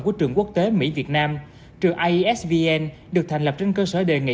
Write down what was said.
của trường quốc tế mỹ việt nam trừ aisvn được thành lập trên cơ sở đề nghị